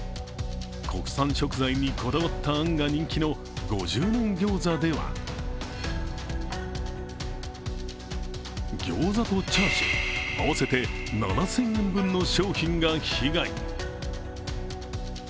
国産食材にこだわったあんが人気の５０年餃子ではギョーザとチャーシュー合わせて７０００円分の商品が被害に。